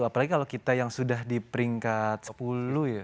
apalagi kalau kita yang sudah di peringkat sepuluh ya